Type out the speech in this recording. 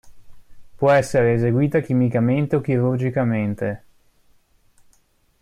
Può essere eseguita chimicamente o chirurgicamente.